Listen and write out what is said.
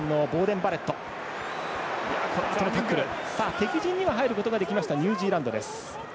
敵陣には入ることができましたニュージーランド。